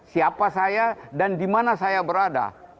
siapa saya dan di mana saya berada